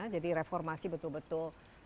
jadi reformasi betul betul